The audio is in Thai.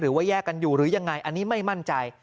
ว่าแยกกันอยู่หรือยังไงอันนี้ไม่มั่นใจ